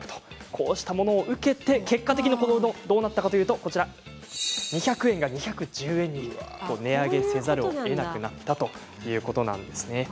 こうしたものを受けて結果的にこのうどんがどうなったかというと２００円が２１０円に値上げせざるをえなくなったということなんですね。